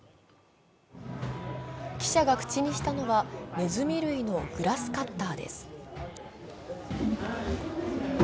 記者が口にしたのは、ねずみ類のグラスカッターです。